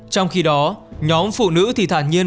trong khi đó nhóm phụ nữ thì thả nhiên